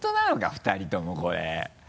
２人ともこれ。